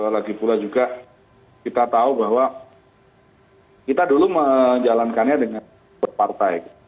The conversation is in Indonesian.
lagipula juga kita tahu bahwa kita dulu menjalankannya dengan partai